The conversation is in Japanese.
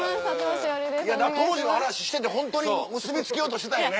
当時の話しててホントに結び付けようとしてたんやね。